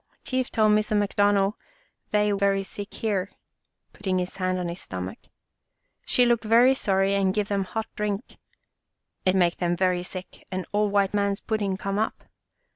Chief tell Missa McDonald they very sick here/' — putting his hand on his stomach —" She look very sorry and give them hot drink. It make them very sick and all white man's pudding come up.